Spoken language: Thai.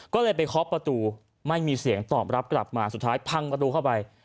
ก็เลยไปเคาะประตูไม่มีเสียงตอบรับกลับมาสุดท้ายพังประตูเข้าไป